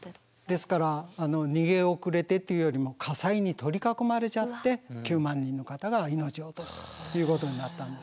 ですから逃げ遅れてっていうよりも火災に取り囲まれちゃって９万人の方が命を落とすということになったんですね。